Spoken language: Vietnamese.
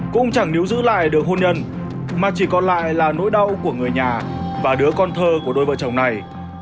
cũng chẳng nếu giữ lại được hôn nhân mà chỉ còn lại là nỗi đau của người nhà và đứa con thơ của đôi vợ chồng này